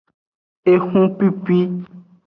Ehupipi.